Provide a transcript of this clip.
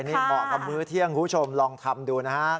นี่เหมาะกับมื้อเที่ยงคุณผู้ชมลองทำดูนะฮะ